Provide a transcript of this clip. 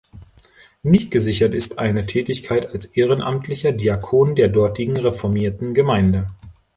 Nicht gesichert ist eine Tätigkeit als ehrenamtlicher Diakon der dortigen reformierten Gemeinde.